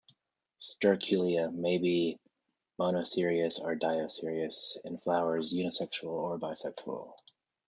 "Sterculia" may be monoecious or dioecious, and flowers unisexual or bisexual.